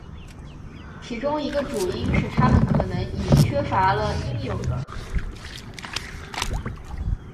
其中一个主因是它们可能已缺乏了应有的。